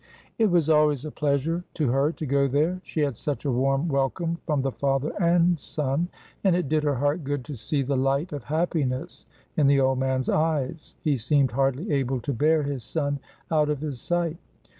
It was always a pleasure to her to go there, she had such a warm welcome from the father and son, and it did her heart good to see the light of happiness in the old man's eyes, he seemed hardly able to bear his son out of his sight.